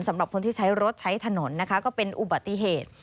สำหรับคนที่ใช้รถใช้ถนนนะคะก็เป็นอุบัติเหตุ